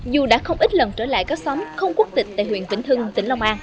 dù đã không ít lần trở lại các xóm không quốc tịch tại huyện vĩnh hưng tỉnh long an